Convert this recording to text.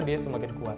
dia semakin berhubung